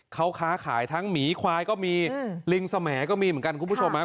เขาค้าขายทั้งหมีควายก็มีลิงสแหมก็มีเหมือนกัน